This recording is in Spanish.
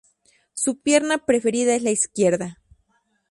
Su pierna preferida es la izquierda.